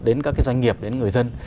đến các cái doanh nghiệp đến người dân